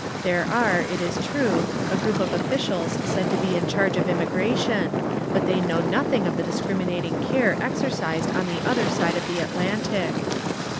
There are, it is true, a group of officials said to be in charge of immigration, but they know nothing of the discriminating care exercised on the other side of the Atlantic.